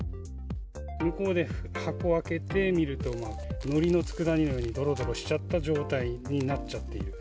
向こうで箱を開けてみると、のりの佃煮のように、どろどろしちゃった状態になっちゃっている。